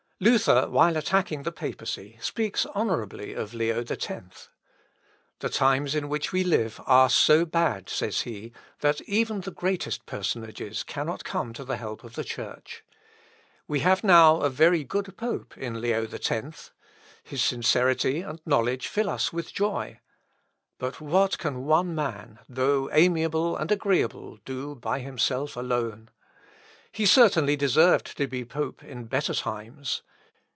Luther, while attacking the papacy, speaks honourably of Leo X. "The times in which we live are so bad," says he, "that even the greatest personages cannot come to the help of the Church. We have now a very good pope in Leo X. His sincerity and knowledge fill us with joy. But what can one man, though amiable and agreeable, do by himself alone? He certainly deserved to be pope in better times.